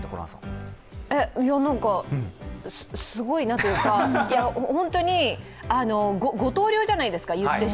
すごいなというか、５刀流じゃないですか。